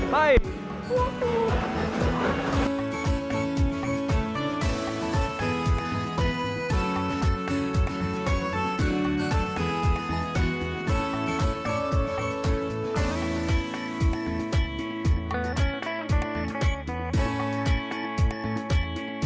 ไป